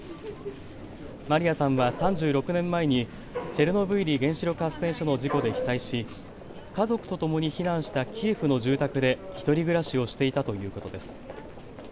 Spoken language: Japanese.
マリヤさんは３６年前にチェルノブイリ原子力発電所の事故で被災し家族とともに避難したキエフの住宅で１人暮らしをしていたということです。